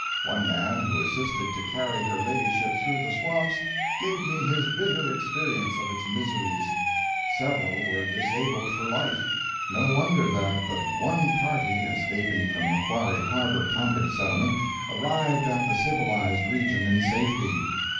One man who assisted to carry her ladyship through the swamps, gave me his bitter experience of its miseries. Several were disabled for life. No wonder that but one party, escaping from Macquarrie Harbor convict settlement, arrived at the civilized region in safety.